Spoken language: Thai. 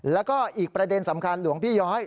แล้วก็อีกประเด็นสำคัญหลวงพี่ย้อย